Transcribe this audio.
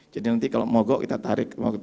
jadi nanti kalau mau go kita tarik